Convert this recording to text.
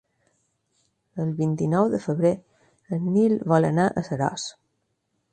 El vint-i-nou de febrer en Nil vol anar a Seròs.